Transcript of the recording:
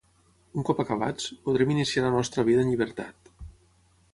Un cop acabats, podrem iniciar la nostra vida en llibertat.